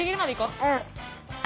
うん。